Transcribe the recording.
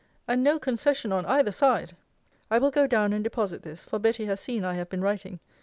and no concession on either side! I will go down and deposit this; for Betty has seen I have been writing.